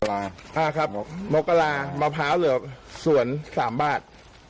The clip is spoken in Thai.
อ่าครับมกรามะพร้าวเหลือสวน๓บาท